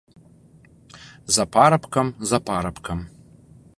За парабкам, за парабкам.